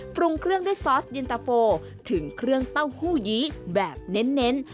ปรุงเครื่องด้วยซอสเย็นตะโฟถึงเครื่องเต้าหู้ยี้แบบเน้น